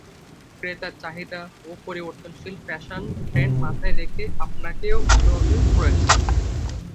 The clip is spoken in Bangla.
ক্রেতার চাহিদা ও পরিবর্তনশীল ফ্যাশন ট্রেন্ড মাথায় রেখে আপনাকেও হতে হবে প্রো-অ্যাক্টিভ।